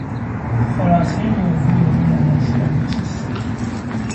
خلاصهی موضوع این نمایشنامه چیست؟